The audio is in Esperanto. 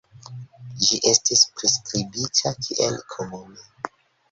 Ĝi estis priskribita kiel komuna.